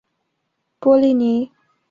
波利尼。